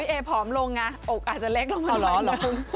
พี่เอ๊ผอมลงอ่ะอกอาจจะเล็กลงมาใหม่นึง